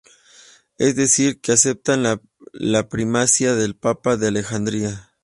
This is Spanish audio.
Es decir que aceptan la primacía del Papa de Alejandría.